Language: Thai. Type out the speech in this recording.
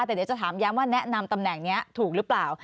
แต่เดี๋ยวจะถามย้ำว่าแนะนำตำแหน่งนี้ถูกหรือเปล่า